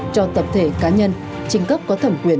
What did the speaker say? cho tập thể cá nhân trình cấp có thẩm quyền